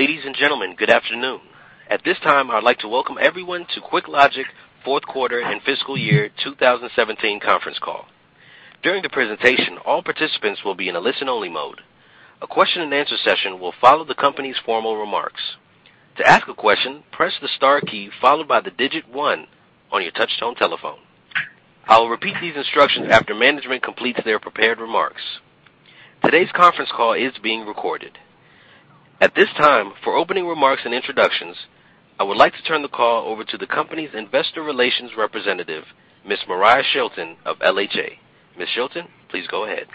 Ladies and gentlemen, good afternoon. At this time, I would like to welcome everyone to QuickLogic's fourth quarter and fiscal year 2017 conference call. During the presentation, all participants will be in a listen-only mode. A question and answer session will follow the company's formal remarks. To ask a question, press the star key followed by the digit one on your touchtone telephone. I will repeat these instructions after management completes their prepared remarks. Today's conference call is being recorded. At this time, for opening remarks and introductions, I would like to turn the call over to the company's investor relations representative, Ms. Moriah Shilton of LHA. Ms. Shilton, please go ahead.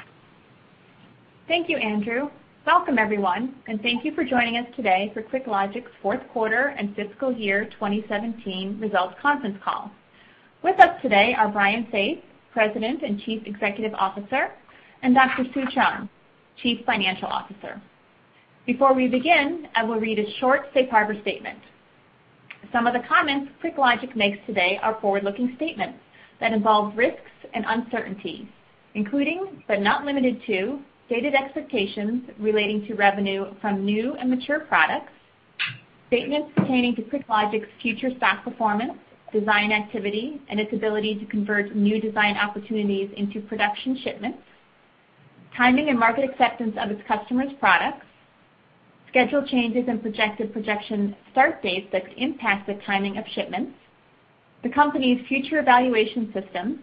Thank you, Andrew. Welcome everyone, and thank you for joining us today for QuickLogic's fourth quarter and fiscal year 2017 results conference call. With us today are Brian Faith, President and Chief Executive Officer, and Dr. Sue Chung, Chief Financial Officer. Before we begin, I will read a short safe harbor statement. Some of the comments QuickLogic makes today are forward-looking statements that involve risks and uncertainties, including but not limited to, stated expectations relating to revenue from new and mature products, statements pertaining to QuickLogic's future stock performance, design activity, and its ability to convert new design opportunities into production shipments, timing and market acceptance of its customers' products, schedule changes and projected projection start dates that could impact the timing of shipments, the company's future evaluation systems,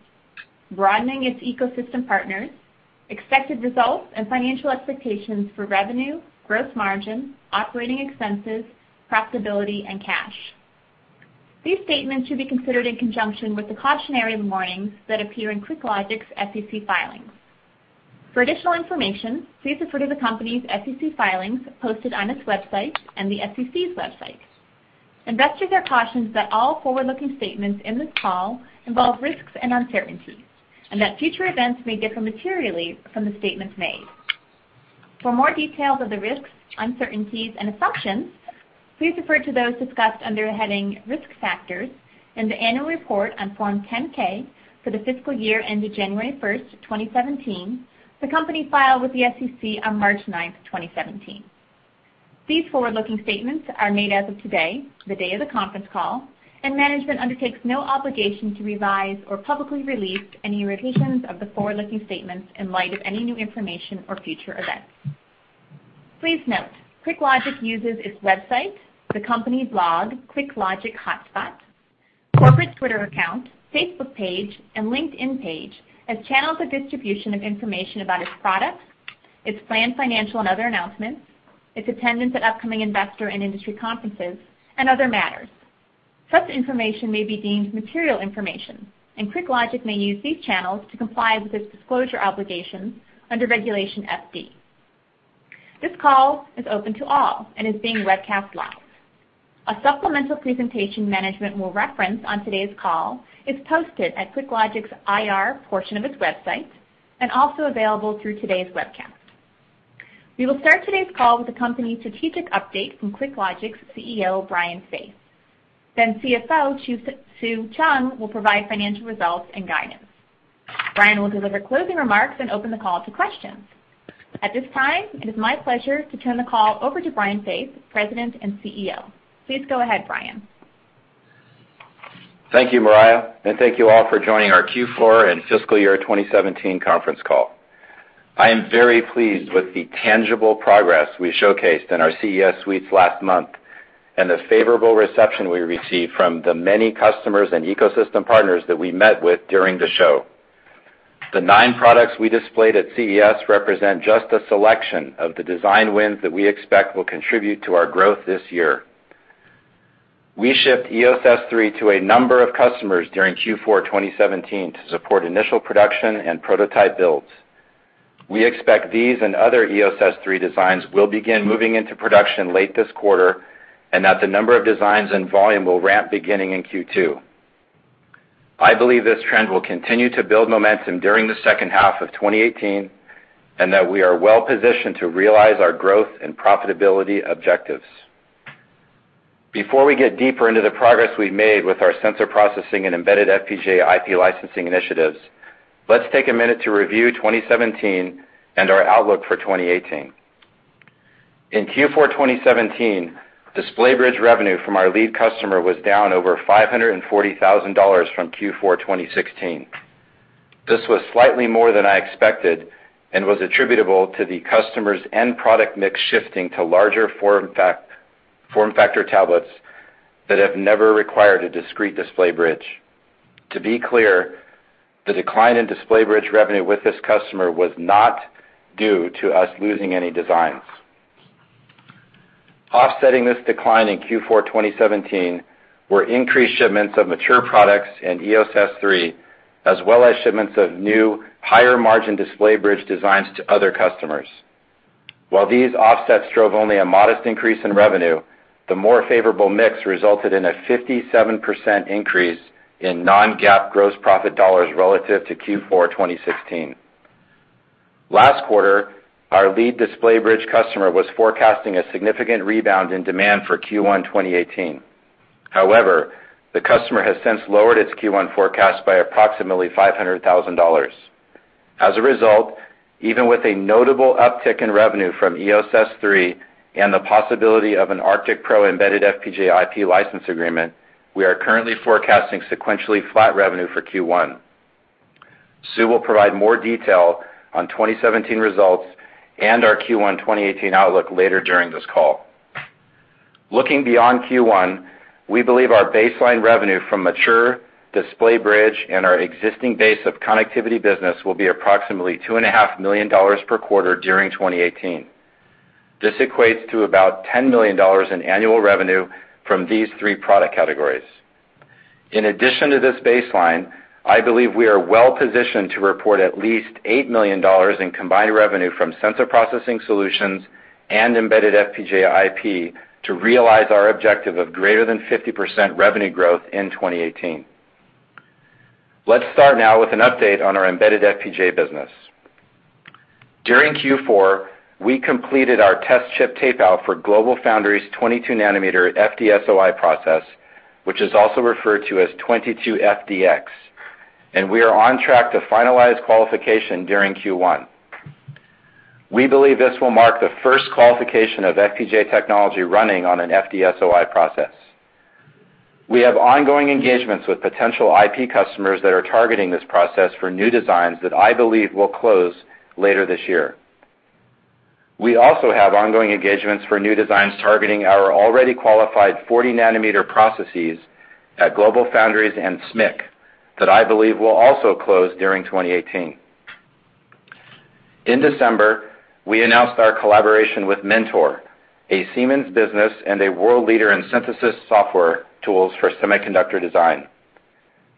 broadening its ecosystem partners, expected results and financial expectations for revenue, gross margin, operating expenses, profitability, and cash. These statements should be considered in conjunction with the cautionary warnings that appear in QuickLogic's SEC filings. For additional information, please refer to the company's SEC filings posted on its website and the SEC's website. Investors are cautioned that all forward-looking statements in this call involve risks and uncertainties, and that future events may differ materially from the statements made. For more details of the risks, uncertainties, and assumptions, please refer to those discussed under the heading Risk Factors in the annual report on Form 10-K for the fiscal year ended January 1st, 2017, the company filed with the SEC on March 9th, 2017. These forward-looking statements are made as of today, the day of the conference call, and management undertakes no obligation to revise or publicly release any revisions of the forward-looking statements in light of any new information or future events. Please note, QuickLogic uses its website, the company's blog, QuickLogic Hotspot, corporate Twitter account, Facebook page, and LinkedIn page as channels of distribution of information about its products, its planned financial and other announcements, its attendance at upcoming investor and industry conferences, and other matters. Such information may be deemed material information, and QuickLogic may use these channels to comply with its disclosure obligations under Regulation FD. This call is open to all and is being webcast live. A supplemental presentation management will reference on today's call is posted at QuickLogic's IR portion of its website, and also available through today's webcast. We will start today's call with the company's strategic update from QuickLogic's CEO, Brian Faith. CFO Sue Chung will provide financial results and guidance. Brian will deliver closing remarks and open the call to questions. At this time, it is my pleasure to turn the call over to Brian Faith, President and CEO. Please go ahead, Brian. Thank you, Moriah, and thank you all for joining our Q4 and fiscal year 2017 conference call. I am very pleased with the tangible progress we showcased in our CES suites last month, and the favorable reception we received from the many customers and ecosystem partners that we met with during the show. The nine products we displayed at CES represent just a selection of the design wins that we expect will contribute to our growth this year. We shipped EOS S3 to a number of customers during Q4 2017 to support initial production and prototype builds. We expect these and other EOS S3 designs will begin moving into production late this quarter, and that the number of designs and volume will ramp beginning in Q2. I believe this trend will continue to build momentum during the second half of 2018, and that we are well positioned to realize our growth and profitability objectives. Before we get deeper into the progress we've made with our sensor processing and embedded FPGA IP licensing initiatives, let's take a minute to review 2017 and our outlook for 2018. In Q4 2017, DisplayBridge revenue from our lead customer was down over $540,000 from Q4 2016. This was slightly more than I expected and was attributable to the customer's end product mix shifting to larger form factor tablets that have never required a discrete DisplayBridge. To be clear, the decline in DisplayBridge revenue with this customer was not due to us losing any designs. Offsetting this decline in Q4 2017 were increased shipments of mature products and EOS S3, as well as shipments of new, higher margin DisplayBridge designs to other customers. While these offsets drove only a modest increase in revenue, the more favorable mix resulted in a 57% increase in non-GAAP gross profit dollars relative to Q4 2016. Last quarter, our lead DisplayBridge customer was forecasting a significant rebound in demand for Q1 2018. However, the customer has since lowered its Q1 forecast by approximately $500,000. As a result, even with a notable uptick in revenue from EOS S3 and the possibility of an ArcticPro embedded FPGA IP license agreement, we are currently forecasting sequentially flat revenue for Q1. Sue will provide more detail on 2017 results and our Q1 2018 outlook later during this call. Looking beyond Q1, we believe our baseline revenue from mature DisplayBridge and our existing base of connectivity business will be approximately $2.5 million per quarter during 2018. This equates to about $10 million in annual revenue from these three product categories. In addition to this baseline, I believe we are well-positioned to report at least $8 million in combined revenue from sensor processing solutions and embedded FPGA IP to realize our objective of greater than 50% revenue growth in 2018. Let's start now with an update on our embedded FPGA business. During Q4, we completed our test chip tape out for GlobalFoundries 22 nanometer FDSOI process, which is also referred to as 22FDX, and we are on track to finalize qualification during Q1. We believe this will mark the first qualification of FPGA technology running on an FDSOI process. We have ongoing engagements with potential IP customers that are targeting this process for new designs that I believe will close later this year. We also have ongoing engagements for new designs targeting our already qualified 40 nanometer processes at GlobalFoundries and SMIC that I believe will also close during 2018. In December, we announced our collaboration with Mentor, a Siemens business and a world leader in synthesis software tools for semiconductor design.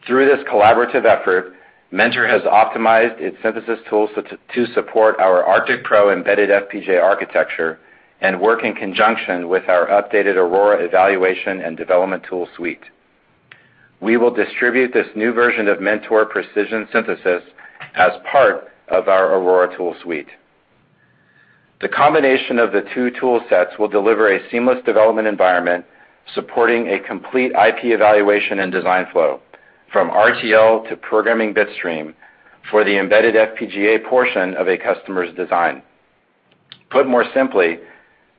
Through this collaborative effort, Mentor has optimized its synthesis tools to support our ArcticPro embedded FPGA architecture and work in conjunction with our updated Aurora evaluation and development tool suite. We will distribute this new version of Mentor Precision Synthesis as part of our Aurora tool suite. The combination of the two tool sets will deliver a seamless development environment, supporting a complete IP evaluation and design flow, from RTL to programming bitstream for the embedded FPGA portion of a customer's design. Put more simply,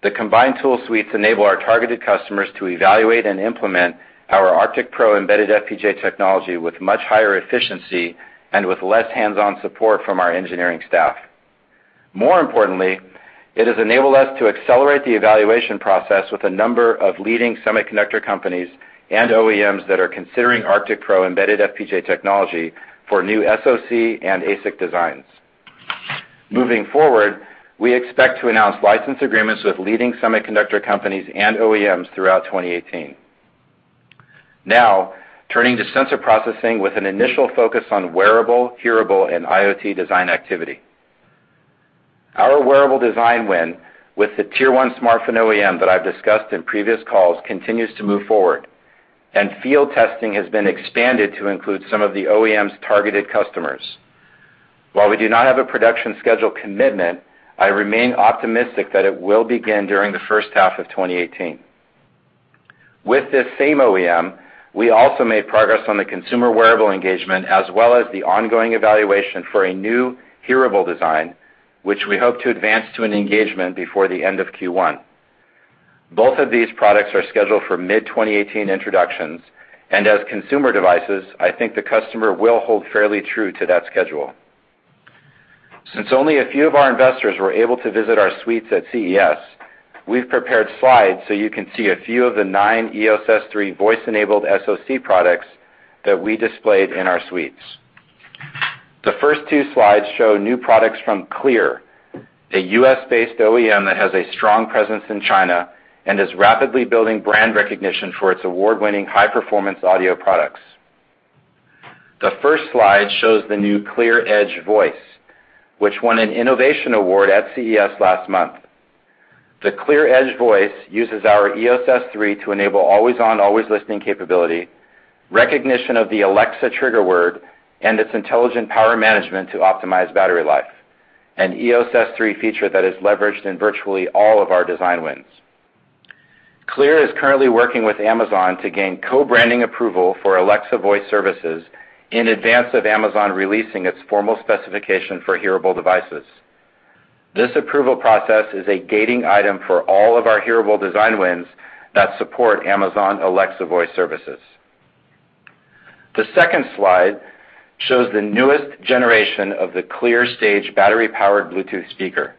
the combined tool suites enable our targeted customers to evaluate and implement our ArcticPro embedded FPGA technology with much higher efficiency and with less hands-on support from our engineering staff. More importantly, it has enabled us to accelerate the evaluation process with a number of leading semiconductor companies and OEMs that are considering ArcticPro embedded FPGA technology for new SoC and ASIC designs. Moving forward, we expect to announce license agreements with leading semiconductor companies and OEMs throughout 2018. Now, turning to sensor processing with an initial focus on wearable, hearable, and IoT design activity. Our wearable design win with the tier 1 smartphone OEM that I've discussed in previous calls continues to move forward, and field testing has been expanded to include some of the OEM's targeted customers. While we do not have a production schedule commitment, I remain optimistic that it will begin during the first half of 2018. With this same OEM, we also made progress on the consumer wearable engagement, as well as the ongoing evaluation for a new hearable design, which we hope to advance to an engagement before the end of Q1. Both of these products are scheduled for mid-2018 introductions, and as consumer devices, I think the customer will hold fairly true to that schedule. Since only a few of our investors were able to visit our suites at CES, we have prepared slides so you can see a few of the nine EOS S3 voice-enabled SoC products that we displayed in our suites. The first two slides show new products from Cleer, a U.S.-based OEM that has a strong presence in China and is rapidly building brand recognition for its award-winning high-performance audio products. The first slide shows the new Cleer EDGE Voice, which won an innovation award at CES last month. The Cleer EDGE Voice uses our EOS S3 to enable always-on, always-listening capability, recognition of the Alexa trigger word, and its intelligent power management to optimize battery life, an EOS S3 feature that is leveraged in virtually all of our design wins. Cleer is currently working with Amazon to gain co-branding approval for Alexa Voice Services in advance of Amazon releasing its formal specification for hearable devices. This approval process is a gating item for all of our hearable design wins that support Amazon Alexa Voice Services. The second slide shows the newest generation of the Cleer Stage battery-powered Bluetooth speaker.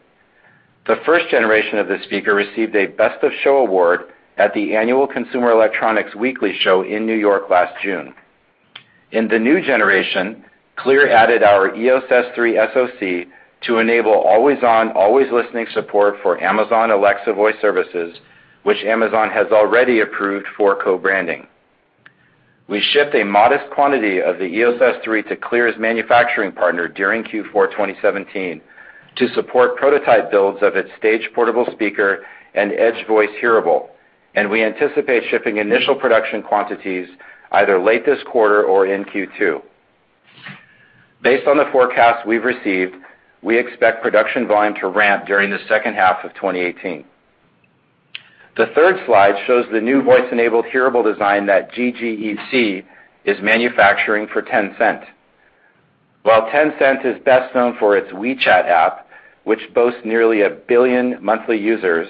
The first generation of this speaker received a Best of Show award at the annual Consumer Electronics Weekly show in N.Y. last June. In the new generation, Cleer added our EOS S3 SoC to enable always-on, always-listening support for Amazon Alexa Voice Services, which Amazon has already approved for co-branding. We shipped a modest quantity of the EOS S3 to Cleer's manufacturing partner during Q4 2017 to support prototype builds of its Stage portable speaker and Edge Voice hearable, and we anticipate shipping initial production quantities either late this quarter or in Q2. Based on the forecast we have received, we expect production volume to ramp during the second half of 2018. The third slide shows the new voice-enabled hearable design that GGEP is manufacturing for Tencent. While Tencent is best known for its WeChat app, which boasts nearly 1 billion monthly users,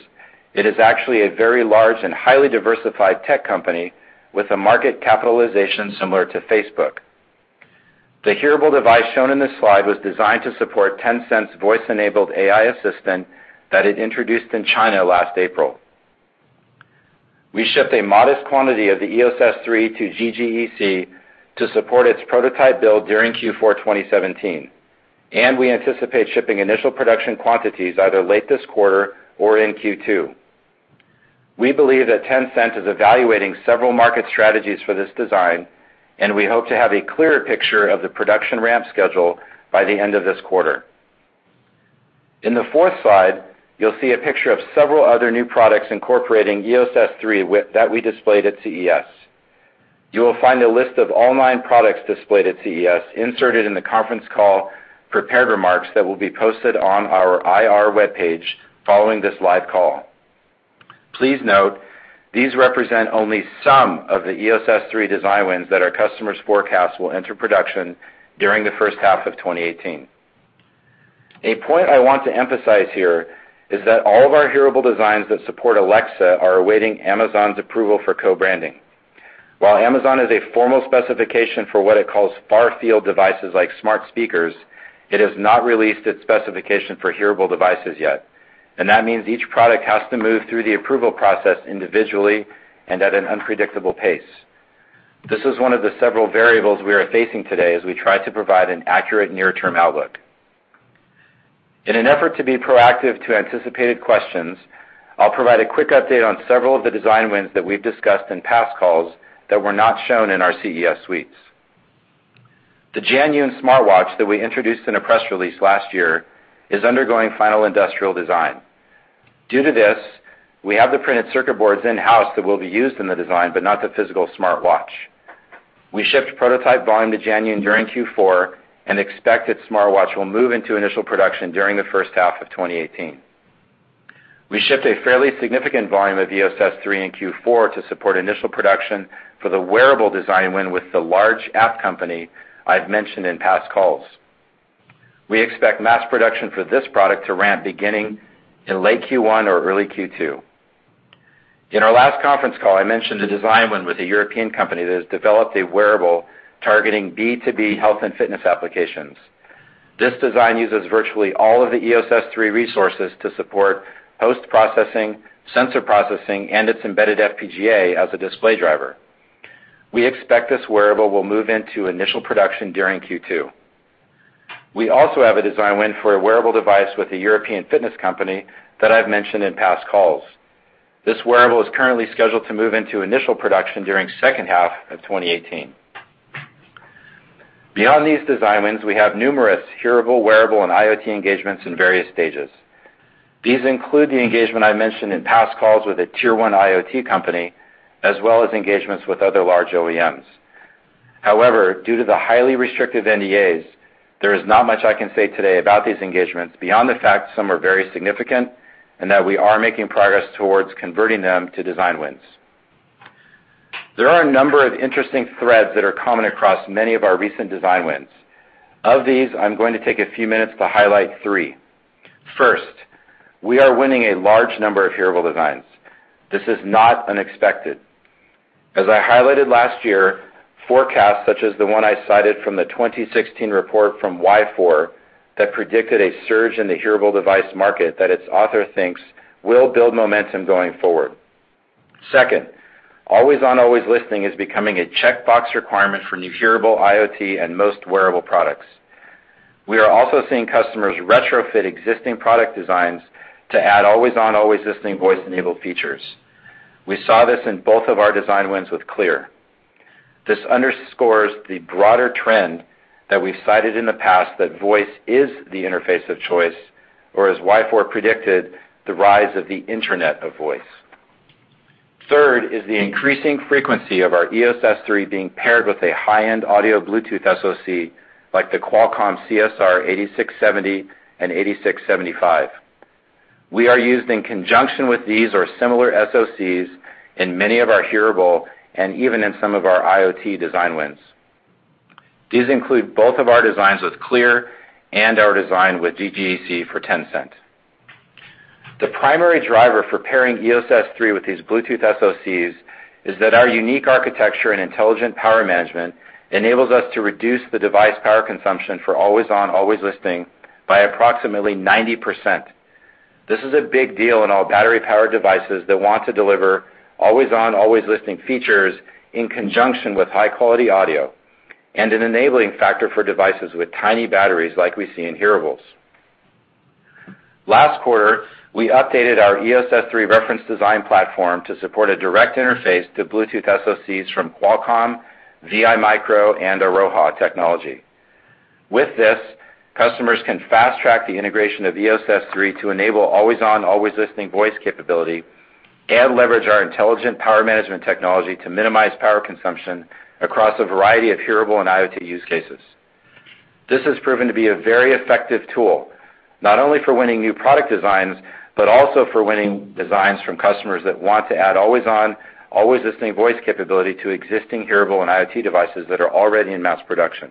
it is actually a very large and highly diversified tech company with a market capitalization similar to Facebook. The hearable device shown in this slide was designed to support Tencent's voice-enabled AI assistant that it introduced in China last April. We shipped a modest quantity of the EOS S3 to GGEP to support its prototype build during Q4 2017, and we anticipate shipping initial production quantities either late this quarter or in Q2. We believe that Tencent is evaluating several market strategies for this design, and we hope to have a clearer picture of the production ramp schedule by the end of this quarter. In the fourth slide, you will see a picture of several other new products incorporating EOS S3 that we displayed at CES. You will find a list of online products displayed at CES inserted in the conference call prepared remarks that will be posted on our IR webpage following this live call. Please note these represent only some of the EOS S3 design wins that our customers forecast will enter production during the first half of 2018. A point I want to emphasize here is that all of our hearable designs that support Alexa are awaiting Amazon's approval for co-branding. While Amazon has a formal specification for what it calls far-field devices like smart speakers, it has not released its specification for hearable devices yet, that means each product has to move through the approval process individually and at an unpredictable pace. This is one of the several variables we are facing today as we try to provide an accurate near-term outlook. In an effort to be proactive to anticipated questions, I'll provide a quick update on several of the design wins that we've discussed in past calls that were not shown in our CES suites. The Janyun smartwatch that we introduced in a press release last year is undergoing final industrial design. Due to this, we have the printed circuit boards in-house that will be used in the design, but not the physical smartwatch. We shipped prototype volume to Janyun during Q4 and expect its smartwatch will move into initial production during the first half of 2018. We shipped a fairly significant volume of EOS S3 in Q4 to support initial production for the wearable design win with the large app company I've mentioned in past calls. We expect mass production for this product to ramp beginning in late Q1 or early Q2. In our last conference call, I mentioned a design win with a European company that has developed a wearable targeting B2B health and fitness applications. This design uses virtually all of the EOS S3 resources to support post-processing, sensor processing, and its embedded FPGA as a display driver. We expect this wearable will move into initial production during Q2. We also have a design win for a wearable device with a European fitness company that I've mentioned in past calls. This wearable is currently scheduled to move into initial production during second half of 2018. Beyond these design wins, we have numerous hearable, wearable, and IoT engagements in various stages. These include the engagement I mentioned in past calls with a Tier 1 IoT company, as well as engagements with other large OEMs. Due to the highly restrictive NDAs, there is not much I can say today about these engagements beyond the fact some are very significant and that we are making progress towards converting them to design wins. There are a number of interesting threads that are common across many of our recent design wins. Of these, I'm going to take a few minutes to highlight three. First, we are winning a large number of hearable designs. This is not unexpected. As I highlighted last year, forecasts such as the one I cited from the 2016 report from WiFore that predicted a surge in the hearable device market that its author thinks will build momentum going forward. Second, always-on, always-listening is becoming a checkbox requirement for new hearable IoT and most wearable products. We are also seeing customers retrofit existing product designs to add always-on, always-listening voice-enabled features. We saw this in both of our design wins with Cleer. This underscores the broader trend that we've cited in the past that voice is the interface of choice, or as WiFore predicted, the rise of the Internet of Voice. Third is the increasing frequency of our EOS S3 being paired with a high-end audio Bluetooth SoC like the Qualcomm CSR8670 and 8675. We are used in conjunction with these or similar SoCs in many of our hearable and even in some of our IoT design wins. These include both of our designs with Cleer and our design with GGEP for Tencent. The primary driver for pairing EOS S3 with these Bluetooth SoCs is that our unique architecture and intelligent power management enables us to reduce the device power consumption for always-on, always-listening by approximately 90%. This is a big deal in all battery-powered devices that want to deliver always-on, always-listening features in conjunction with high-quality audio and an enabling factor for devices with tiny batteries like we see in hearables. Last quarter, we updated our EOS S3 reference design platform to support a direct interface to Bluetooth SoCs from Qualcomm, iMicro, and Airoha Technology. With this, customers can fast-track the integration of EOS S3 to enable always-on, always-listening voice capability and leverage our intelligent power management technology to minimize power consumption across a variety of hearable and IoT use cases. This has proven to be a very effective tool, not only for winning new product designs, but also for winning designs from customers that want to add always-on, always-listening voice capability to existing hearable and IoT devices that are already in mass production.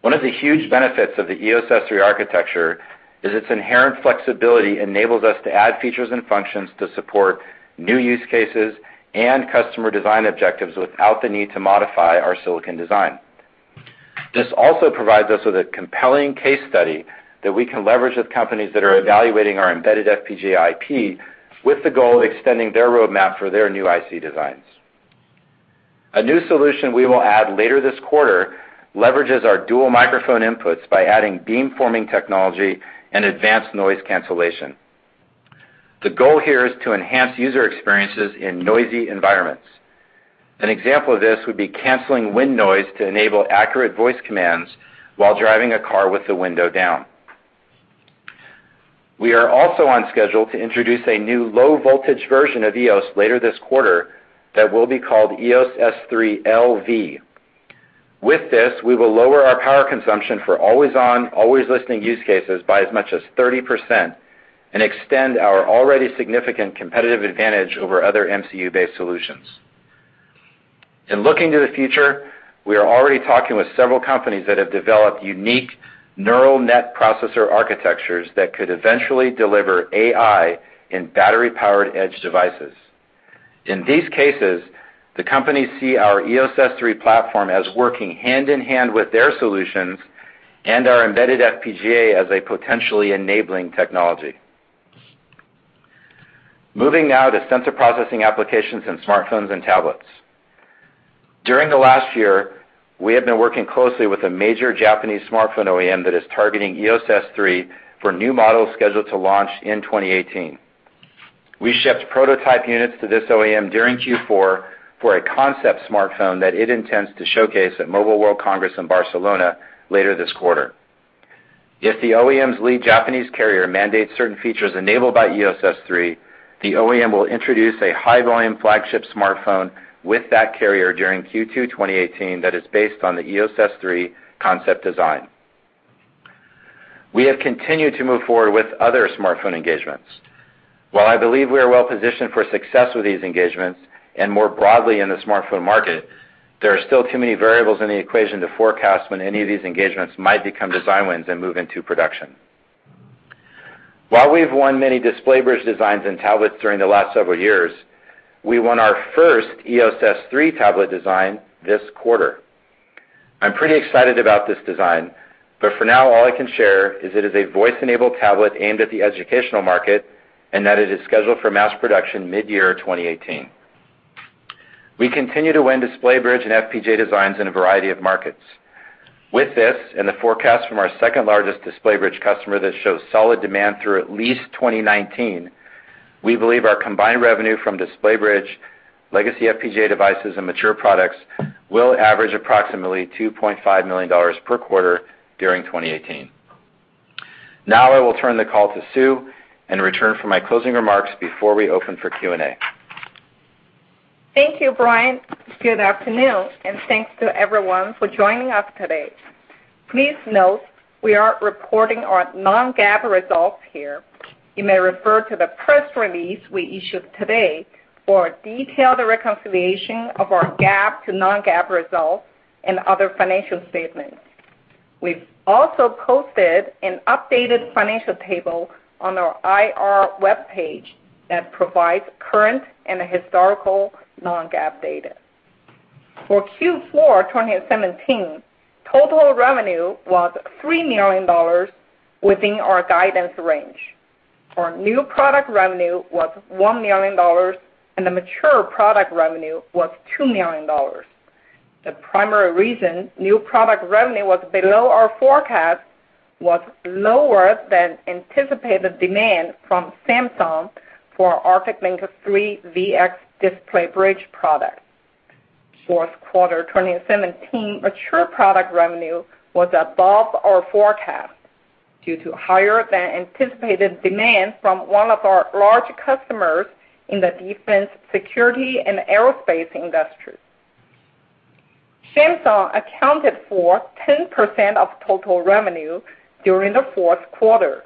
One of the huge benefits of the EOS S3 architecture is its inherent flexibility enables us to add features and functions to support new use cases and customer design objectives without the need to modify our silicon design. This also provides us with a compelling case study that we can leverage with companies that are evaluating our embedded FPGA IP with the goal of extending their roadmap for their new IC designs. A new solution we will add later this quarter leverages our dual microphone inputs by adding beamforming technology and advanced noise cancellation. The goal here is to enhance user experiences in noisy environments. An example of this would be canceling wind noise to enable accurate voice commands while driving a car with the window down. We are also on schedule to introduce a new low-voltage version of EOS later this quarter that will be called EOS S3 LV. With this, we will lower our power consumption for always-on, always-listening use cases by as much as 30% and extend our already significant competitive advantage over other MCU-based solutions. In looking to the future, we are already talking with several companies that have developed unique neural net processor architectures that could eventually deliver AI in battery-powered edge devices. In these cases, the companies see our EOS S3 platform as working hand-in-hand with their solutions and our embedded FPGA as a potentially enabling technology. Moving now to sensor processing applications in smartphones and tablets. During the last year, we have been working closely with a major Japanese smartphone OEM that is targeting EOS S3 for new models scheduled to launch in 2018. We shipped prototype units to this OEM during Q4 for a concept smartphone that it intends to showcase at Mobile World Congress in Barcelona later this quarter. If the OEM's lead Japanese carrier mandates certain features enabled by EOS S3, the OEM will introduce a high-volume flagship smartphone with that carrier during Q2 2018 that is based on the EOS S3 concept design. We have continued to move forward with other smartphone engagements. While I believe we are well positioned for success with these engagements, and more broadly in the smartphone market, there are still too many variables in the equation to forecast when any of these engagements might become design wins and move into production. While we've won many DisplayBridge designs in tablets during the last several years, we won our first EOS S3 tablet design this quarter. I'm pretty excited about this design, but for now, all I can share is it is a voice-enabled tablet aimed at the educational market and that it is scheduled for mass production mid-year 2018. We continue to win DisplayBridge and FPGA designs in a variety of markets. With this and the forecast from our second-largest DisplayBridge customer that shows solid demand through at least 2019, we believe our combined revenue from DisplayBridge, legacy FPGA devices, and mature products will average approximately $2.5 million per quarter during 2018. I will turn the call to Sue in return for my closing remarks before we open for Q&A. Thank you, Brian. Good afternoon, and thanks to everyone for joining us today. Please note we are reporting our non-GAAP results here. You may refer to the press release we issued today for a detailed reconciliation of our GAAP to non-GAAP results and other financial statements. We've also posted an updated financial table on our IR webpage that provides current and historical non-GAAP data. For Q4 2017, total revenue was $3 million within our guidance range. Our new product revenue was $1 million, and the mature product revenue was $2 million. The primary reason new product revenue was below our forecast was lower than anticipated demand from Samsung for our ArcticLink III VX DisplayBridge product. Fourth quarter 2017 mature product revenue was above our forecast due to higher than anticipated demand from one of our large customers in the defense, security, and aerospace industry. Samsung accounted for 10% of total revenue during the fourth quarter,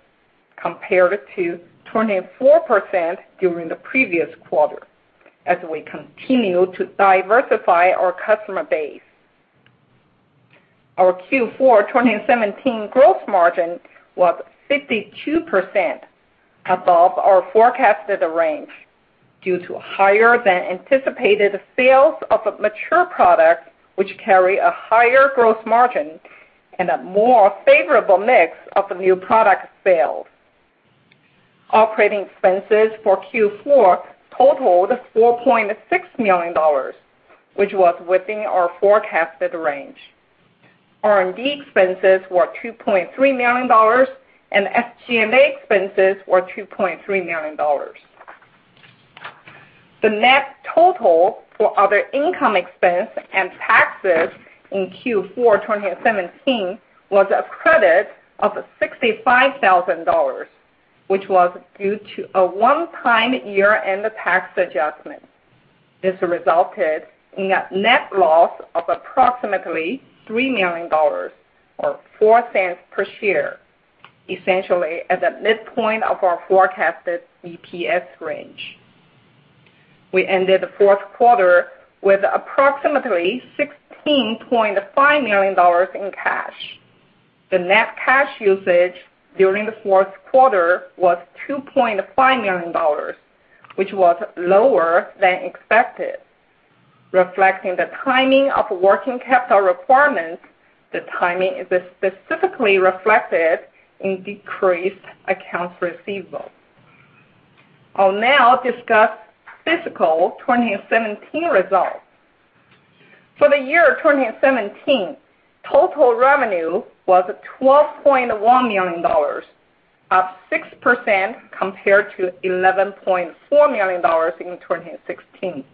compared to 24% during the previous quarter, as we continue to diversify our customer base. Our Q4 2017 gross margin was 52%, above our forecasted range, due to higher than anticipated sales of mature products, which carry a higher gross margin, and a more favorable mix of new products sold. Operating expenses for Q4 totaled $4.6 million, which was within our forecasted range. R&D expenses were $2.3 million, and SG&A expenses were $2.3 million. The net total for other income expense and taxes in Q4 2017 was a credit of $65,000, which was due to a one-time year-end tax adjustment. This resulted in a net loss of approximately $3 million, or $0.04 per share, essentially at the midpoint of our forecasted EPS range. We ended the fourth quarter with approximately $16.5 million in cash. The net cash usage during the fourth quarter was $2.5 million, which was lower than expected, reflecting the timing of working capital requirements. The timing is specifically reflected in decreased accounts receivable. I'll now discuss fiscal 2017 results. For the year 2017, total revenue was $12.1 million, up 6% compared to $11.4 million in 2016.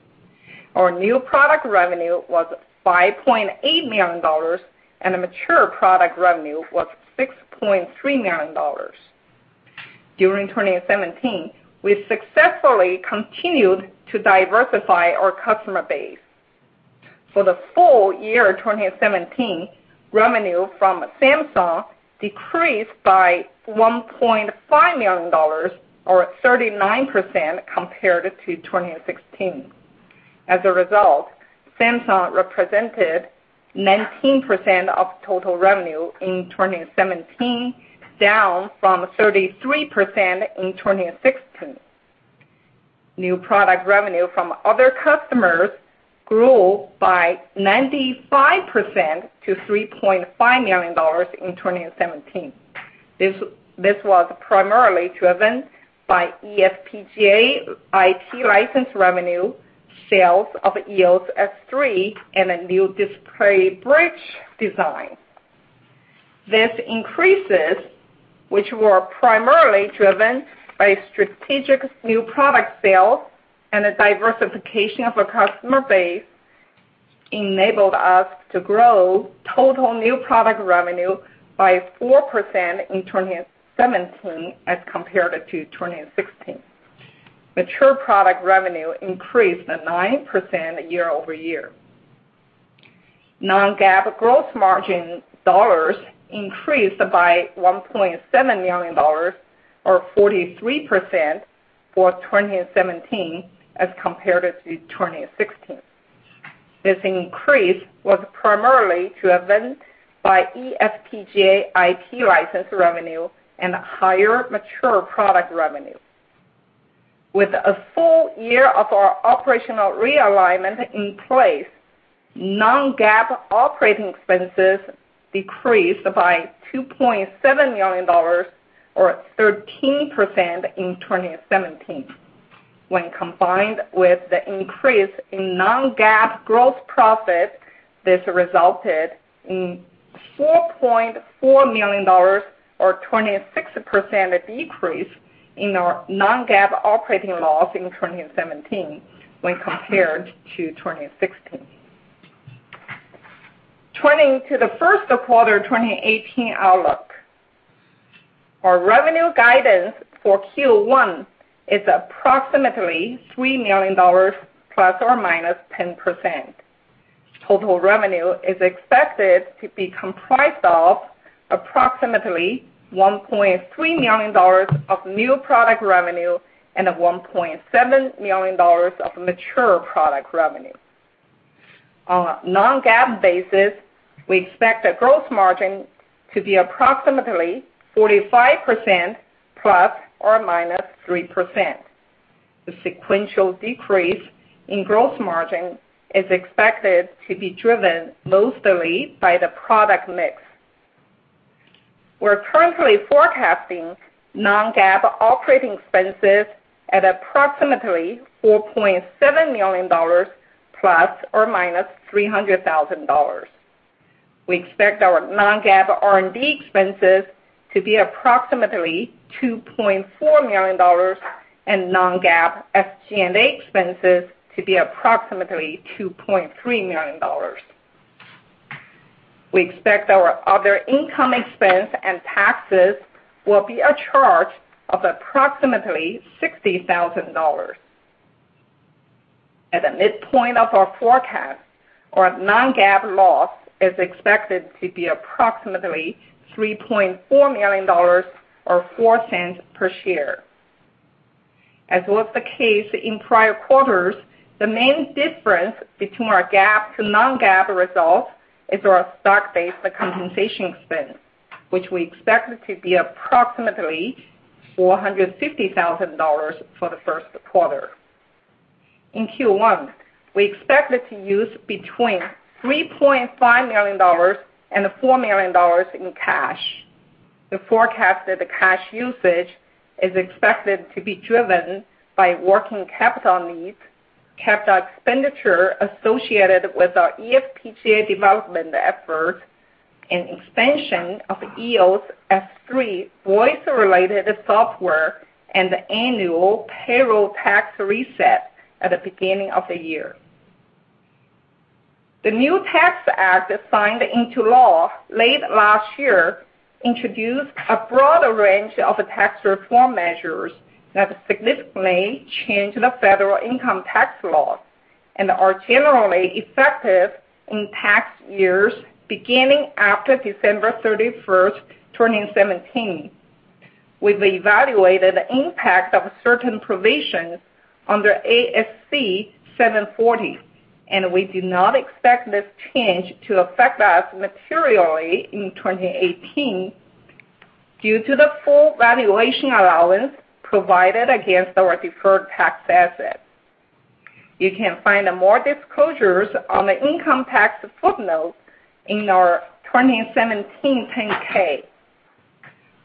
Our new product revenue was $5.8 million, and the mature product revenue was $6.3 million. During 2017, we successfully continued to diversify our customer base. For the full year 2017, revenue from Samsung decreased by $1.5 million, or 39%, compared to 2016. As a result, Samsung represented 19% of total revenue in 2017, down from 33% in 2016. New product revenue from other customers grew by 95% to $3.5 million in 2017. This was primarily driven by eFPGA IP license revenue, sales of EOS S3, and a new DisplayBridge design. These increases, which were primarily driven by strategic new product sales and a diversification of our customer base, enabled us to grow total new product revenue by 4% in 2017 as compared to 2016. Mature product revenue increased by 9% year-over-year. Non-GAAP gross margin dollars increased by $1.7 million, or 43%, for 2017 as compared to 2016. This increase was primarily driven by eFPGA IP licensed revenue and higher mature product revenue. With a full year of our operational realignment in place, non-GAAP operating expenses decreased by $2.7 million, or 13%, in 2017. When combined with the increase in non-GAAP gross profit, this resulted in $4.4 million, or 26%, decrease in our non-GAAP operating loss in 2017 when compared to 2016. Turning to the first quarter 2018 outlook. Our revenue guidance for Q1 is approximately $3 million, ±10%. Total revenue is expected to be comprised of approximately $1.3 million of new product revenue and $1.7 million of mature product revenue. On a non-GAAP basis, we expect the gross margin to be approximately 45%, ±3%. The sequential decrease in gross margin is expected to be driven mostly by the product mix. We're currently forecasting non-GAAP operating expenses at approximately $4.7 million, ±$300,000. We expect our non-GAAP R&D expenses to be approximately $2.4 million and non-GAAP SG&A expenses to be approximately $2.3 million. We expect our other income expense and taxes will be a charge of approximately $60,000. At the midpoint of our forecast, our non-GAAP loss is expected to be approximately $3.4 million, or $0.04 per share. As was the case in prior quarters, the main difference between our GAAP to non-GAAP results is our stock-based compensation expense, which we expect to be approximately $450,000 for the first quarter. In Q1, we expected to use between $3.5 million and $4 million in cash. The forecasted cash usage is expected to be driven by working capital needs, capital expenditure associated with our eFPGA development effort, and expansion of EOS S3 voice-related software, and the annual payroll tax reset at the beginning of the year. The new tax act signed into law late last year introduced a broader range of tax reform measures that significantly change the federal income tax laws and are generally effective in tax years beginning after December 31st, 2017. We've evaluated the impact of certain provisions under ASC 740, and we do not expect this change to affect us materially in 2018 due to the full valuation allowance provided against our deferred tax asset. You can find more disclosures on the income tax footnotes in our 2017 10-K.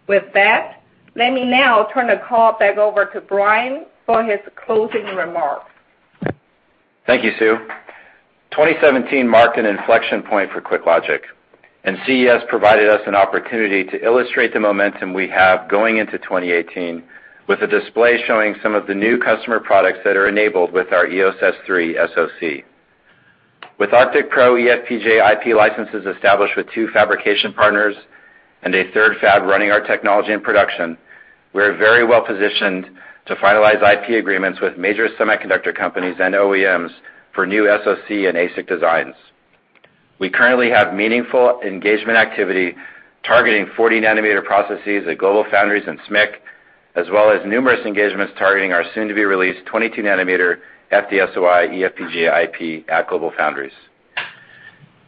With that, let me now turn the call back over to Brian for his closing remarks. Thank you, Sue. 2017 marked an inflection point for QuickLogic. CES provided us an opportunity to illustrate the momentum we have going into 2018 with a display showing some of the new customer products that are enabled with our EOS S3 SoC. With ArcticPro eFPGA IP licenses established with two fabrication partners and a third fab running our technology in production, we are very well-positioned to finalize IP agreements with major semiconductor companies and OEMs for new SoC and ASIC designs. We currently have meaningful engagement activity targeting 40 nanometer processes at GlobalFoundries and SMIC, as well as numerous engagements targeting our soon-to-be-released 22 nanometer FDSOI eFPGA IP at GlobalFoundries.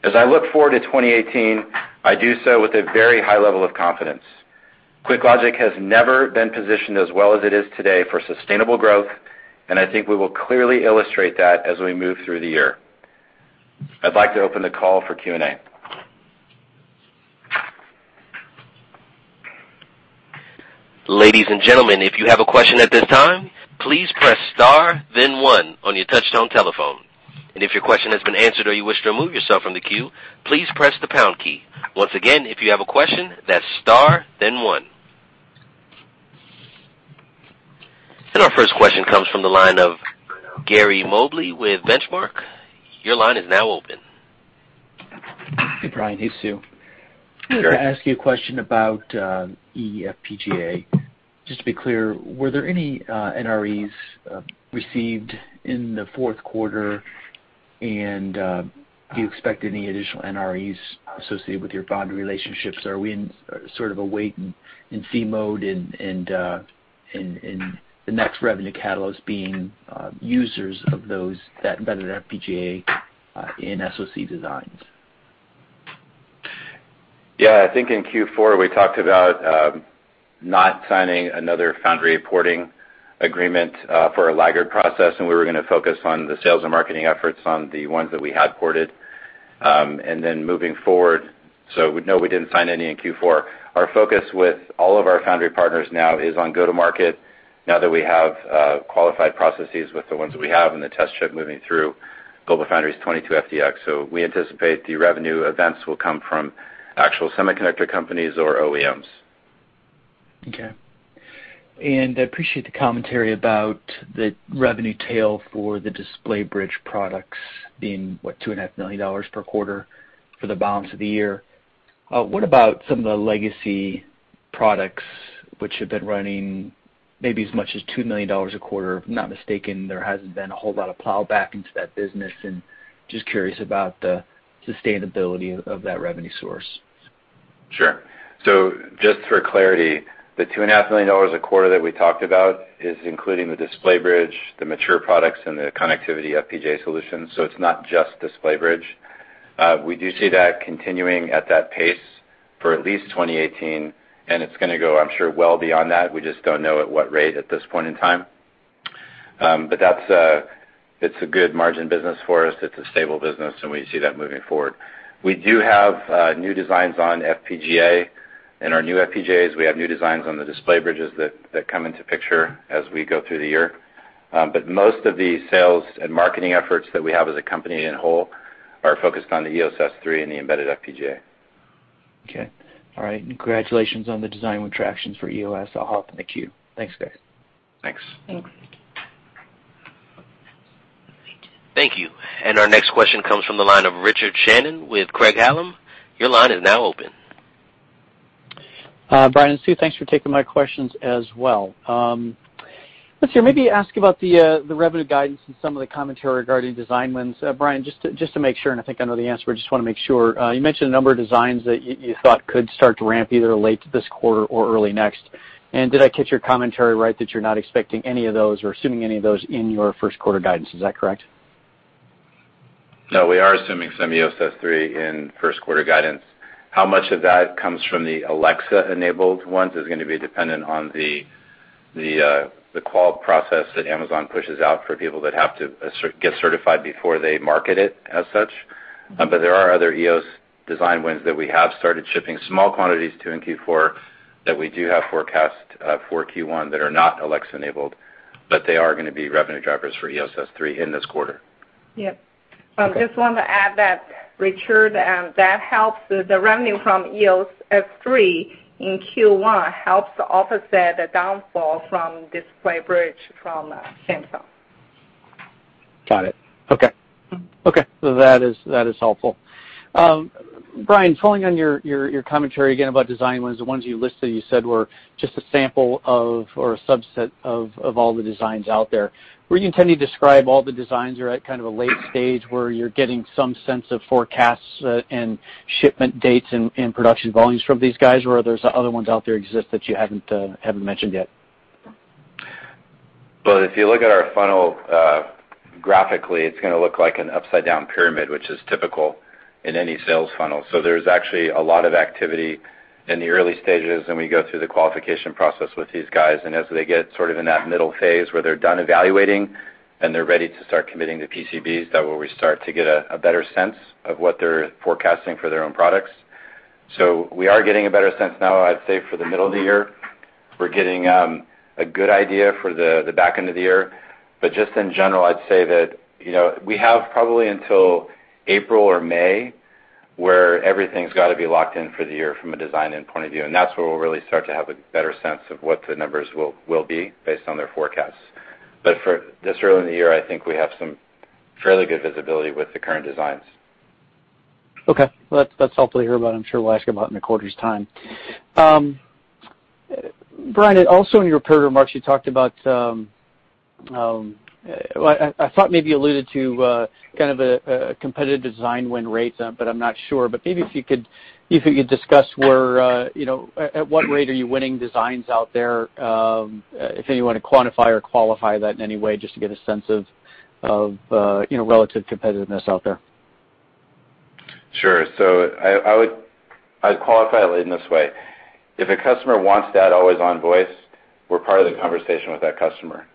As I look forward to 2018, I do so with a very high level of confidence. QuickLogic has never been positioned as well as it is today for sustainable growth. I think we will clearly illustrate that as we move through the year. I'd like to open the call for Q&A. Ladies and gentlemen, if you have a question at this time, please press star then one on your touchtone telephone. If your question has been answered or you wish to remove yourself from the queue, please press the pound key. Once again, if you have a question, that's star then one. Our first question comes from the line of Gary Mobley with Benchmark. Your line is now open. Hey, Brian. Hey, Sue. Sure. I'm going to ask you a question about eFPGA. Just to be clear, were there any NREs received in the fourth quarter, and do you expect any additional NREs associated with your foundry relationships? Are we in sort of a wait and see mode and the next revenue catalyst being users of those embedded FPGA in SoC designs? Yeah. I think in Q4, we talked about not signing another foundry porting agreement for a larger process, we were going to focus on the sales and marketing efforts on the ones that we had ported, then moving forward. No, we didn't sign any in Q4. Our focus with all of our foundry partners now is on go to market now that we have qualified processes with the ones that we have and the test chip moving through GlobalFoundries 22FDX. We anticipate the revenue events will come from actual semiconductor companies or OEMs. Okay. I appreciate the commentary about the revenue tail for the DisplayBridge products being, what, $2.5 million per quarter for the balance of the year. What about some of the legacy products which have been running maybe as much as $2 million a quarter? If I'm not mistaken, there hasn't been a whole lot of plowback into that business, and just curious about the sustainability of that revenue source. Sure. Just for clarity, the $2.5 million a quarter that we talked about is including the DisplayBridge, the mature products, and the connectivity FPGA solutions. It's not just DisplayBridge. We do see that continuing at that pace for at least 2018, and it's going to go, I'm sure, well beyond that. We just don't know at what rate at this point in time. It's a good margin business for us. It's a stable business, and we see that moving forward. We do have new designs on FPGA. In our new FPGAs, we have new designs on the DisplayBridges that come into picture as we go through the year. Most of the sales and marketing efforts that we have as a company in whole are focused on the EOS S3 and the embedded FPGA. Okay. All right. Congratulations on the design win tractions for EOS. I'll hop in the queue. Thanks, guys. Thanks. Thanks. Thank you. Our next question comes from the line of Richard Shannon with Craig-Hallum. Your line is now open. Brian, Sue, thanks for taking my questions as well. Maybe ask about the revenue guidance and some of the commentary regarding design wins. Brian, just to make sure, I think I know the answer, just want to make sure. You mentioned a number of designs that you thought could start to ramp either late this quarter or early next. Did I get your commentary right that you're not expecting any of those or assuming any of those in your first quarter guidance, is that correct? We are assuming some EOS S3 in first quarter guidance. How much of that comes from the Alexa-enabled ones is going to be dependent on the qual process that Amazon pushes out for people that have to get certified before they market it as such. There are other EOS design wins that we have started shipping small quantities to in Q4 that we do have forecast for Q1 that are not Alexa-enabled, they are going to be revenue drivers for EOS S3 in this quarter. Yep. Okay. I just wanted to add that, Richard, the revenue from EOS S3 in Q1 helps to offset the downfall from DisplayBridge from Samsung. Got it. Okay. That is helpful. Brian, following on your commentary again about design wins, the ones you listed, you said were just a sample of or a subset of all the designs out there. Were you intending to describe all the designs are at a late stage where you're getting some sense of forecasts and shipment dates and production volumes from these guys or are there other ones out there exist that you haven't mentioned yet? If you look at our funnel graphically, it's going to look like an upside-down pyramid, which is typical in any sales funnel. There's actually a lot of activity in the early stages when we go through the qualification process with these guys. As they get sort of in that middle phase where they're done evaluating and they're ready to start committing to PCBs, that where we start to get a better sense of what they're forecasting for their own products. We are getting a better sense now, I'd say for the middle of the year. We're getting a good idea for the back end of the year. Just in general, I'd say that we have probably until April or May, where everything's got to be locked in for the year from a design-in point of view. That's where we'll really start to have a better sense of what the numbers will be based on their forecasts. For this early in the year, I think we have some fairly good visibility with the current designs. That's helpful to hear about. I'm sure we'll ask about in a quarter's time. Brian, also in your prepared remarks, you talked about, I thought maybe you alluded to kind of a competitive design win rates, I'm not sure. Maybe if you could discuss at what rate are you winning designs out there, if any, you want to quantify or qualify that in any way just to get a sense of relative competitiveness out there. Sure. I would qualify it in this way. If a customer wants that always-on voice, we're part of the conversation with that customer.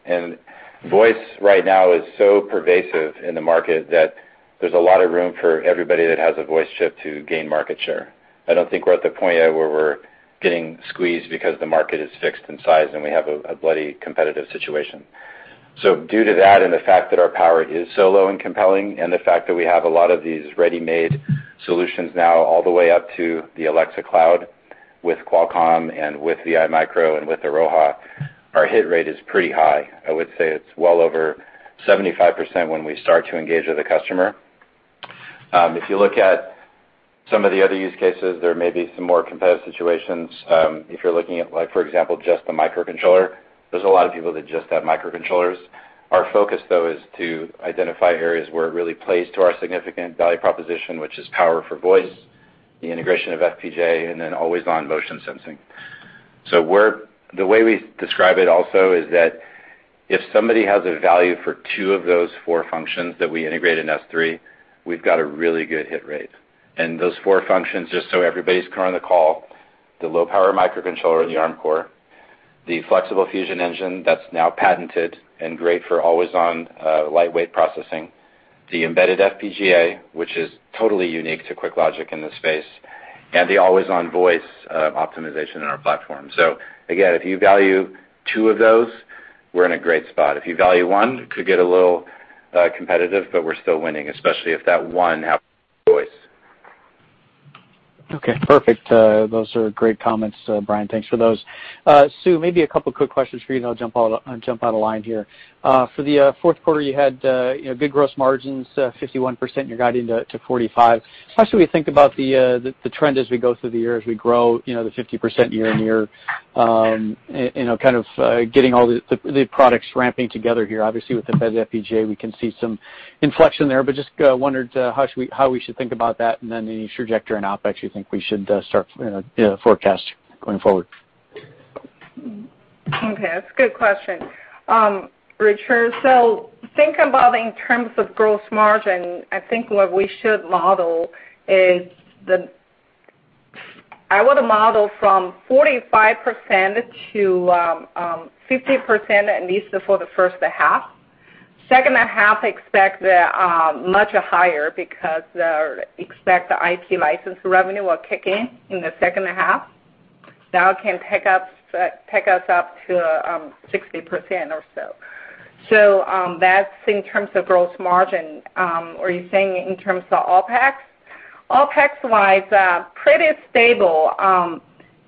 Voice right now is so pervasive in the market that there's a lot of room for everybody that has a voice chip to gain market share. I don't think we're at the point yet where we're getting squeezed because the market is fixed in size and we have a bloody competitive situation. Due to that and the fact that our power is so low and compelling and the fact that we have a lot of these ready-made solutions now all the way up to the Alexa cloud with Qualcomm and with the iMicro and with Airoha, our hit rate is pretty high. I would say it's well over 75% when we start to engage with a customer. If you look at some of the other use cases, there may be some more competitive situations. If you're looking at, for example, just the microcontroller, there's a lot of people that just have microcontrollers. Our focus, though, is to identify areas where it really plays to our significant value proposition, which is power for voice, the integration of FPGA, and then always-on motion sensing. The way we describe it also is that if somebody has a value for two of those four functions that we integrate in S3, we've got a really good hit rate. Those four functions, just so everybody's current on the call, the low-power microcontroller, the Arm core, the Flexible Fusion Engine that's now patented and great for always-on lightweight processing, the embedded FPGA, which is totally unique to QuickLogic in this space, and the always-on voice optimization in our platform. Again, if you value two of those, we're in a great spot. If you value one, it could get a little competitive, but we're still winning, especially if that one happens to be voice. Okay, perfect. Those are great comments, Brian. Thanks for those. Sue, maybe a couple quick questions for you, then I'll jump out of line here. For the fourth quarter, you had good gross margins, 51%, and you're guiding to 45%. How should we think about the trend as we go through the year, as we grow the 50% year-over-year, kind of getting all the products ramping together here? Obviously, with the eFPGA, we can see some inflection there, but just wondered how we should think about that and then any trajectory and OpEx you think we should start forecasting going forward. Okay. That's a good question, Richard. Think about in terms of gross margin, I think what we should model is I would model from 45%-50%, at least for the first half. Second half, expect much higher because expect the IP license revenue will kick in in the second half. That can take us up to 60% or so. That's in terms of gross margin. Were you saying in terms of OpEx? OpEx-wise, pretty stable.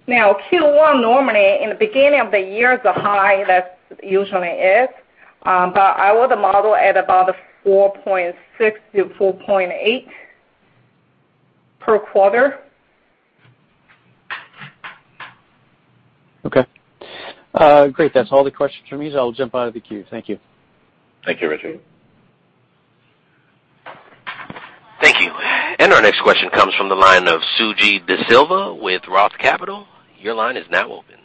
Q1 normally in the beginning of the year is high, that usually is, but I would model at about $4.6 million-$4.8 million per quarter. Okay. Great. That's all the questions from me, I'll jump out of the queue. Thank you. Thank you, Richard. Thank you. Our next question comes from the line of Suji Desilva with Roth Capital. Your line is now open.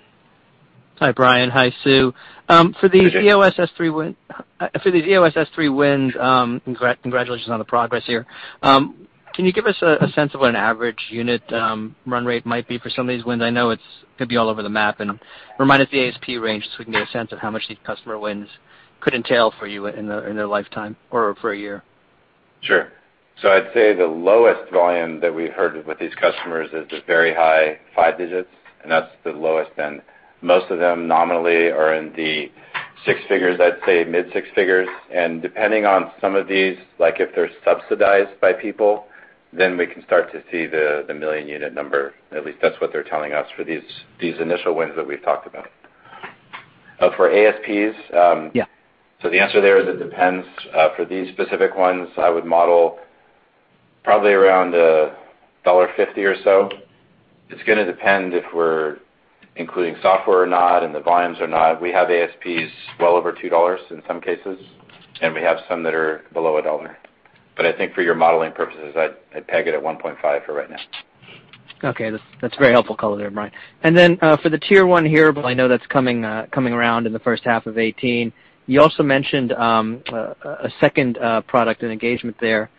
Hi, Brian. Hi, Sue. Hi, Suji. For these EOS S3 wins, congratulations on the progress here. Can you give us a sense of what an average unit run rate might be for some of these wins? I know it could be all over the map and remind us the ASP range so we can get a sense of how much these customer wins could entail for you in their lifetime or for a year. Sure. I'd say the lowest volume that we heard with these customers is the very high 5 digits, and that's the lowest end. Most of them nominally are in the 6 figures, I'd say mid 6 figures. Depending on some of these, like if they're subsidized by people, then we can start to see the 1 million-unit number. At least that's what they're telling us for these initial wins that we've talked about. Oh, for ASPs? Yeah. The answer there is it depends. For these specific ones, I would model probably around $1.50 or so. It's going to depend if we're including software or not and the volumes or not. We have ASPs well over $2 in some cases, and we have some that are below $1. I think for your modeling purposes, I'd peg it at $1.50 for right now. Okay. That's very helpful color there, Brian. Then for the tier 1 hearable, I know that's coming around in the first half of 2018. You also mentioned a second product and engagement there,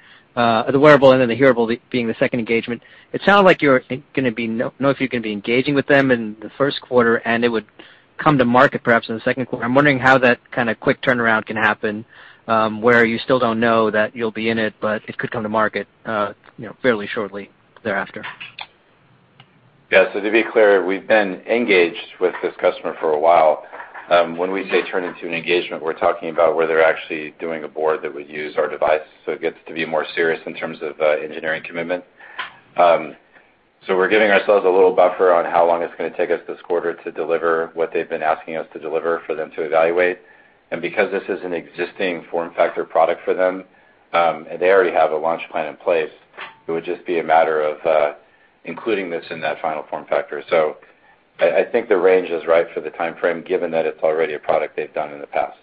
the wearable and then the hearable being the second engagement. It sounds like you're going to be, you know if you're going to be engaging with them in the first quarter, and it would come to market perhaps in the second quarter. I'm wondering how that kind of quick turnaround can happen, where you still don't know that you'll be in it, but it could come to market fairly shortly thereafter. To be clear, we've been engaged with this customer for a while. When we say turning to an engagement, we're talking about where they're actually doing a board that would use our device, it gets to be more serious in terms of engineering commitment. We're giving ourselves a little buffer on how long it's going to take us this quarter to deliver what they've been asking us to deliver for them to evaluate. Because this is an existing form factor product for them, and they already have a launch plan in place, it would just be a matter of including this in that final form factor. I think the range is right for the timeframe, given that it's already a product they've done in the past.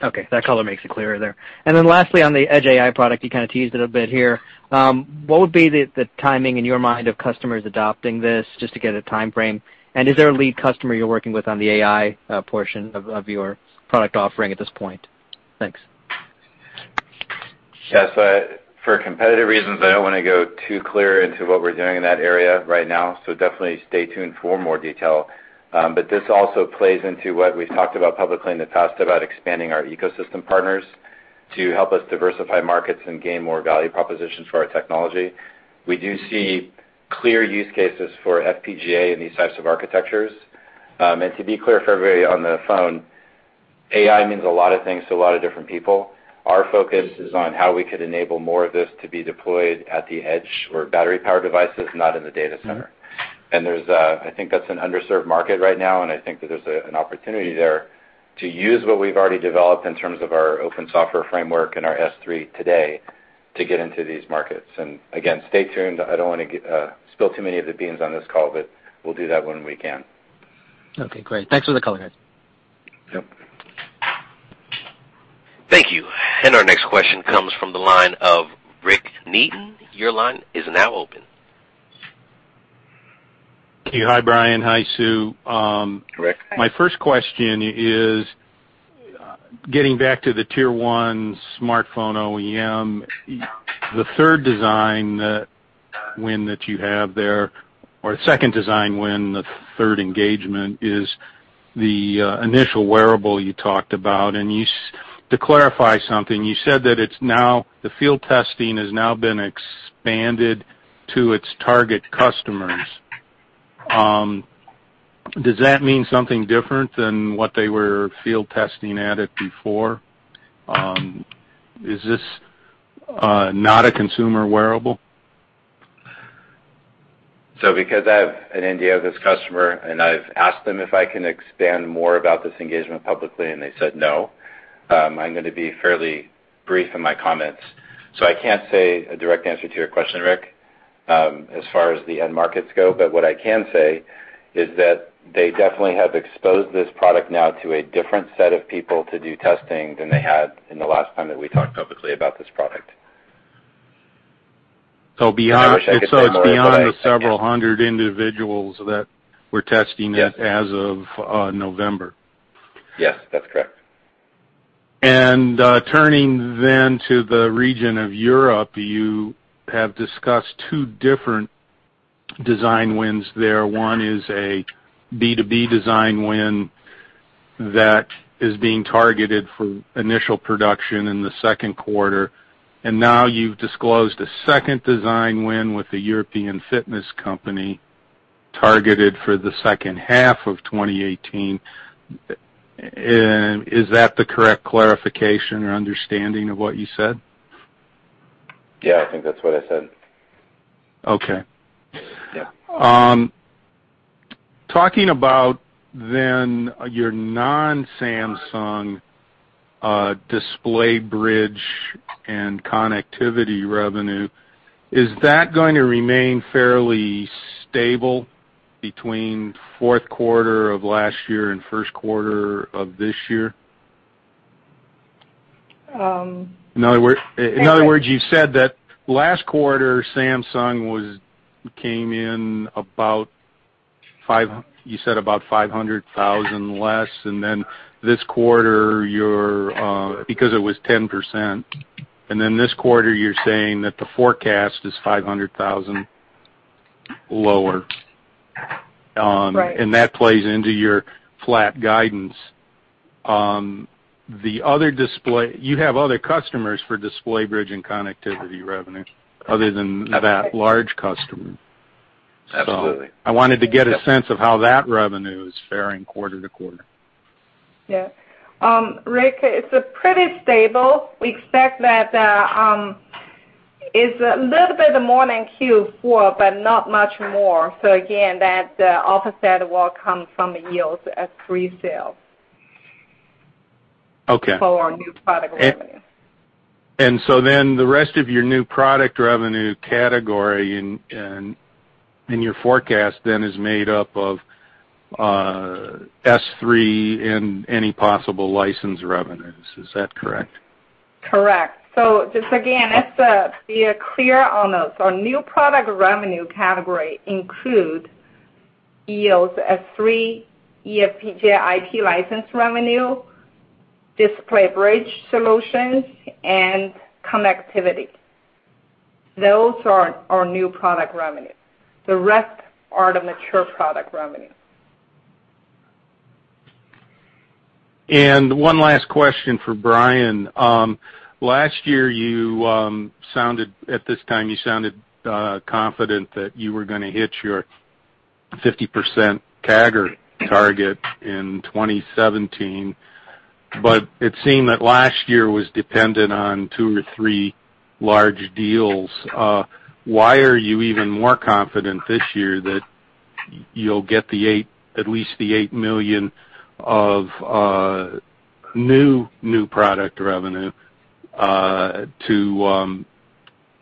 That color makes it clearer there. Then lastly, on the edge AI product, you kind of teased it a bit here. What would be the timing, in your mind, of customers adopting this, just to get a timeframe? Is there a lead customer you're working with on the AI portion of your product offering at this point? Thanks. For competitive reasons, I don't want to go too clear into what we're doing in that area right now, definitely stay tuned for more detail. This also plays into what we've talked about publicly in the past about expanding our ecosystem partners to help us diversify markets and gain more value propositions for our technology. We do see clear use cases for FPGA in these types of architectures. To be clear for everybody on the phone, AI means a lot of things to a lot of different people. Our focus is on how we could enable more of this to be deployed at the edge or battery-powered devices, not in the data center. I think that's an underserved market right now, I think that there's an opportunity there to use what we've already developed in terms of our open software framework and our S3 today to get into these markets. Again, stay tuned. I don't want to spill too many of the beans on this call, we'll do that when we can. Okay, great. Thanks for the color, guys. Yep. Thank you. Our next question comes from the line of Rick Neaton. Your line is now open. Okay. Hi, Brian. Hi, Sue. Rick. Hi. My first question is getting back to the tier 1 smartphone OEM. The third design win that you have there, or second design win, the third engagement is the initial wearable you talked about. To clarify something, you said that the field testing has now been expanded to its target customers. Does that mean something different than what they were field testing at it before? Is this not a consumer wearable? Because I have an NDA with this customer, and I've asked them if I can expand more about this engagement publicly, and they said no, I'm going to be fairly brief in my comments. I can't say a direct answer to your question, Rick, as far as the end markets go. What I can say is that they definitely have exposed this product now to a different set of people to do testing than they had in the last time that we talked publicly about this product. It's- I wish I could say more, but I can't. beyond the several hundred individuals that were testing it- Yes as of November. Yes, that's correct. Turning then to the region of Europe, you have discussed two different design wins there. One is a B2B design win that is being targeted for initial production in the second quarter, and now you've disclosed a second design win with a European fitness company targeted for the second half of 2018. Is that the correct clarification or understanding of what you said? Yeah, I think that's what I said. Okay. Yeah. Talking about your non-Samsung DisplayBridge and connectivity revenue, is that going to remain fairly stable between fourth quarter of last year and first quarter of this year? In other words, you said that last quarter, Samsung came in about $500,000 less. This quarter, because it was 10%, you're saying that the forecast is $500,000 lower. Right. That plays into your flat guidance. You have other customers for DisplayBridge and connectivity revenue other than- That's right that large customer. Absolutely. I wanted to get a sense of how that revenue is faring quarter to quarter. Yeah. Rick, it's pretty stable. We expect that it's a little bit more than Q4, but not much more. Again, that offset will come from EOS S3 sale. Okay for our new product revenue. The rest of your new product revenue category in your forecast is made up of S3 and any possible license revenues. Is that correct? Correct. Just again, to be clear on those, our new product revenue category include EOS S3, eFPGA IP license revenue, DisplayBridge solutions, and connectivity. Those are our new product revenue. The rest are the mature product revenue. One last question for Brian. Last year, at this time, you sounded confident that you were going to hit your 50% CAGR target in 2017. It seemed that last year was dependent on two or three large deals. Why are you even more confident this year that you'll get at least the $8 million of new product revenue to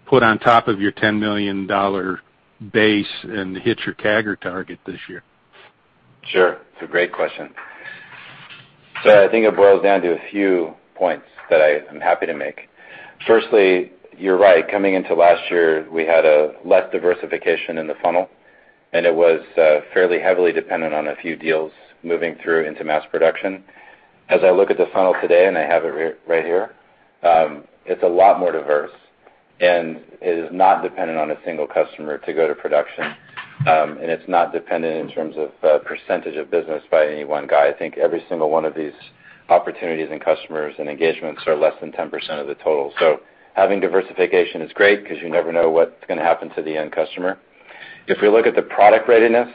put on top of your $10 million base and hit your CAGR target this year? Sure. It's a great question. I think it boils down to a few points that I'm happy to make. Firstly, you're right. Coming into last year, we had less diversification in the funnel, it was fairly heavily dependent on a few deals moving through into mass production. As I look at the funnel today, I have it right here, it's a lot more diverse, it is not dependent on a single customer to go to production. It's not dependent in terms of percentage of business by any one guy. I think every single one of these opportunities and customers and engagements are less than 10% of the total. Having diversification is great because you never know what's going to happen to the end customer. If we look at the product readiness,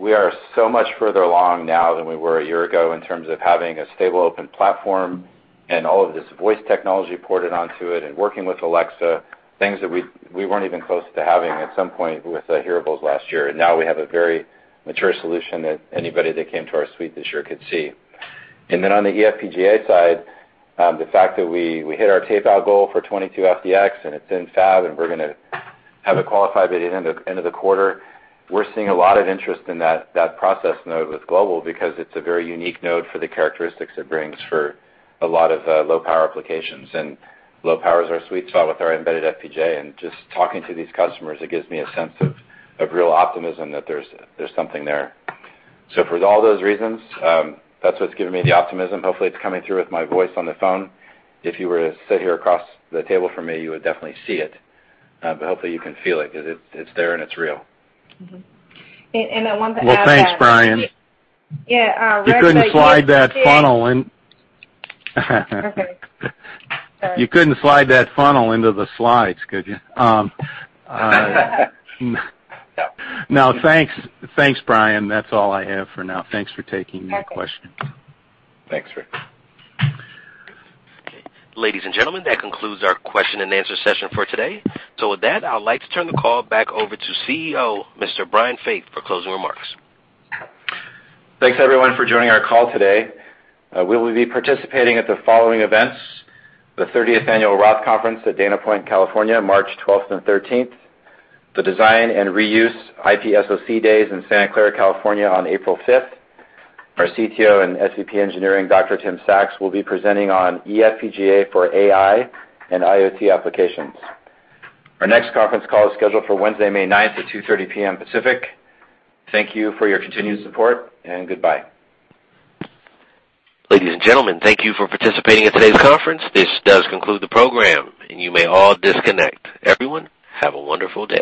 we are so much further along now than we were a year ago in terms of having a stable open platform and all of this voice technology ported onto it and working with Alexa, things that we weren't even close to having at some point with hearables last year. Now we have a very mature solution that anybody that came to our suite this year could see. On the eFPGA side, the fact that we hit our tape-out goal for 22FDX, and it's in fab, and we're going to have it qualified by the end of the quarter. We're seeing a lot of interest in that process node with Global because it's a very unique node for the characteristics it brings for a lot of low-power applications. Low power is our sweet spot with our embedded FPGA. Just talking to these customers, it gives me a sense of real optimism that there's something there. For all those reasons, that's what's given me the optimism. Hopefully, it's coming through with my voice on the phone. If you were to sit here across the table from me, you would definitely see it. Hopefully you can feel it, because it's there and it's real. Mm-hmm. Well, thanks, Brian. Yeah, Rick. You couldn't slide that funnel in. Okay. Sorry. You couldn't slide that funnel into the slides, could you? No. No. Thanks, Brian. That's all I have for now. Thanks for taking the questions. Thanks, Rick. Ladies and gentlemen, that concludes our question-and-answer session for today. With that, I would like to turn the call back over to CEO, Mr. Brian Faith, for closing remarks. Thanks, everyone, for joining our call today. We will be participating at the following events: the 30th Annual ROTH Conference at Dana Point, California, March 12th and 13th, the Design and Reuse IP-SoC Days in Santa Clara, California, on April 5th. Our CTO and SVP Engineering, Dr. Tim Saxe, will be presenting on eFPGA for AI and IoT applications. Our next conference call is scheduled for Wednesday, May 9th, at 2:30 P.M. Pacific. Thank you for your continued support, and goodbye. Ladies and gentlemen, thank you for participating in today's conference. This does conclude the program. You may all disconnect. Everyone, have a wonderful day.